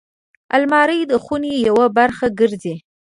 الماري د خونې یوه برخه ګرځي